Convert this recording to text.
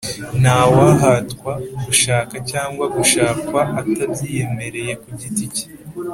ntawahatwa gushaka cyangwa gushakwa atabyiyemereye ku giti cye.